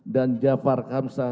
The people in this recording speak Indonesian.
dan jafar kamsah